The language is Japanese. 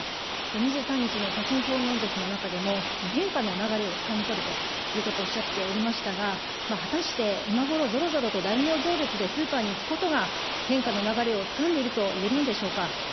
２３日の所信表明演説の中でも、変化の流れをつかみ取るということをおっしゃっておりましたが、果たして今ごろぞろぞろと大名行列でスーパーに行くことが、変化の流れをつかんでいるといえるのでしょうか。